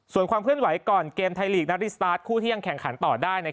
ส่วนความเคลื่อนไหวก่อนเกมไทยลีกนาริสตาร์ทคู่ที่ยังแข่งขันต่อได้